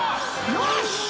よし！